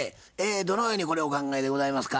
どのようにこれお考えでございますか？